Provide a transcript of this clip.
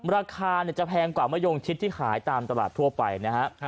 ราคาจะแพงกว่ามะยงชิดที่ขายตามตลาดทั่วไปนะฮะ